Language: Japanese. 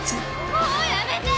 もうやめて！